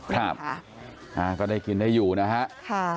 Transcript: ครับอ่าก็ได้กินได้อยู่นะคะค่ะ